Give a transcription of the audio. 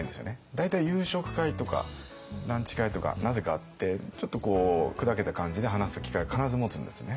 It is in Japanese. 大体夕食会とかランチ会とかなぜかあってちょっとこう砕けた感じで話す機会を必ず持つんですね